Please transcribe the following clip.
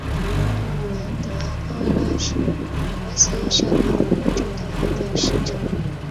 年德阿拉是巴西圣保罗州的一个市镇。